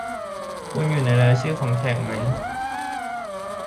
คุณอยู่ในรายชื่อแขกไหม